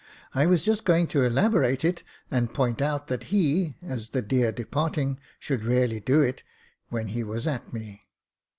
I was just going to elaborate it, and point out that he — ^as the dear departing — should really do it, when he was at me.